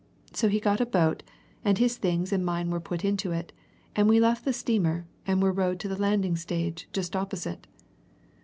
So he got a boat, and his things and mine were put into it, and we left the steamer, and were rowed to the landing stage, just opposite."